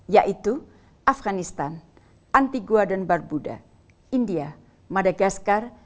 yaitu afganistan antigua dan barbuda india madagaskar